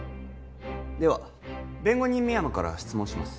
では弁護人・深山から質問します